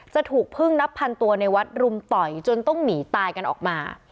จะถูกพึ่งนับพันตัวในวัดรุมต่อยจนต้องหนีตายกันออกมา